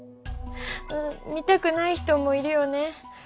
見たくない人もいるよね。